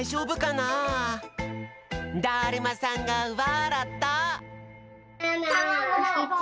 だるまさんがわらった！